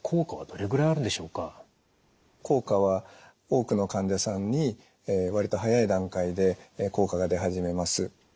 効果は多くの患者さんに割と早い段階で効果が出始めます。